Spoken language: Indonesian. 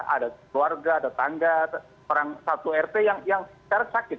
ada keluarga ada tangga orang satu rt yang sekarang sakit